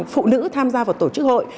phụ nữ tham gia vào tổ chức hội